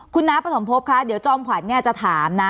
คุณน้าประสมภพคะเดี๋ยวจอมขวัญจะถามนะ